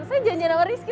saya janjian sama rizky